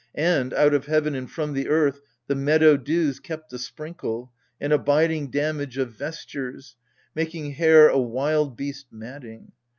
And, out of heaven and from the earth, the meadow Dews kept a sprinkle, an abiding damage Of vestures, making hair a wild beast matting.